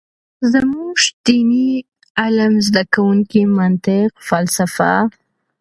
زمونږ ديني علم زده کوونکي منطق ، فلسفه ،